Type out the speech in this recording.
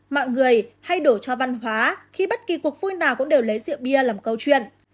mọi người hay đổ cho văn hóa khi bất kỳ cuộc vui nào cũng đều lấy rượu bia làm câu chuyện